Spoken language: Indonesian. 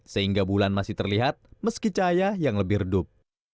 sehingga bulan masih terlihat meski cahaya yang lebih redup